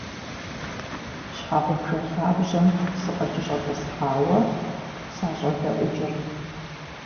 Щхьэгъубжэ лъабжьэм сыкъыкӀэщӀэтӀысхьауэ, сащӏэдэӏукӏырт.